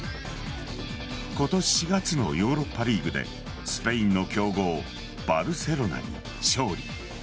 今年４月のヨーロッパリーグでスペインの強豪・バルセロナに勝利。